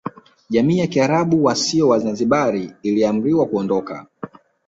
Jamii ya Kiarabu wasio Wazanzibari iliamriwa kuondoka